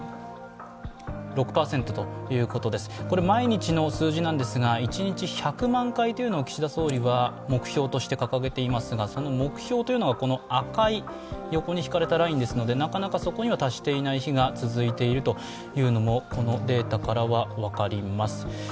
毎日の数字なんですが一日１００万回というのを岸田総理は目標として掲げていますがその目標がこの赤い横に引かれたラインですのでなかなかそこには達していない日が続いているのも、このデータからは分かります。